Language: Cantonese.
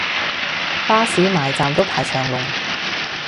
巴士埋站都排長龍